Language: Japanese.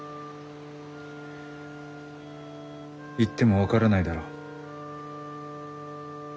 言っても分からないだろう？